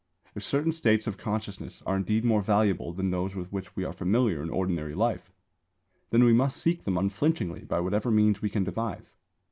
If certain states of consciousness are indeed more valuable than those with which we are familiar in ordinary life then we must seek them unflinchingly by whatever means we can devise.